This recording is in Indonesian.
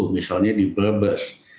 misalnya di berbes